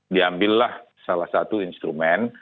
diambillah salah satu instrumen